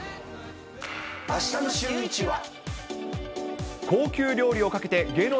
あしたのシューイチは。